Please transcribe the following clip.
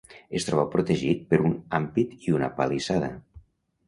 Es troba protegit per un ampit i una palissada.